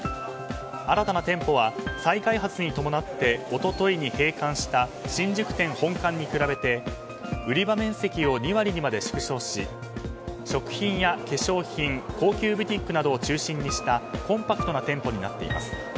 新たな店舗は再開発に伴って一昨日に閉館した新宿店本館に比べて売り場面積を２割にまで縮小し、食品や化粧品高級ブティックなどを中心にしたコンパクトな店舗になっています。